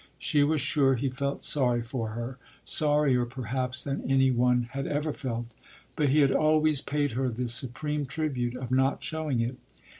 She was sure he felt sorry for her, sorrier perhaps than any one had ever felt; but he had always paid her the supreme tribute of not showing it.